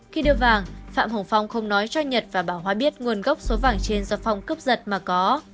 khi đưa vàng phạm hồng phong không nói cho nhật và bảo hóa biết nguồn gốc số vàng trên do phong cướp giật mà có